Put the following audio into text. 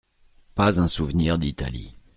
Pas un souvenir d'Italie.